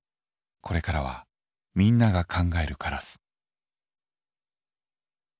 これからはみんなが「考えるカラス」。